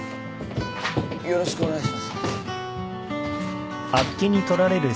よろしくお願いします。